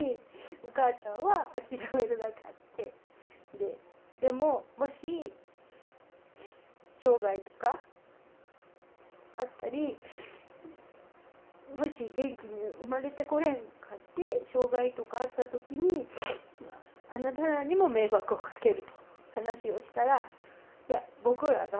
ででももし障がいとかあったりもし元気に生まれてこれんかって障がいとかあったときにあなたらにも迷惑をかけると話をしたら。